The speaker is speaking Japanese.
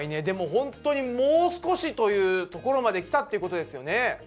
でもほんとにもう少しというところまできたってことですよね。